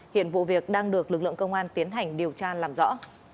hiện vụ việc đang được lực lượng công an tiến hành điều tra làm rõ